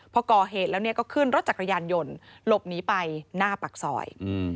พอก่อเหตุแล้วก็ขึ้นรถจักรยานยนต์หลบหนีไปหน้าปากซอย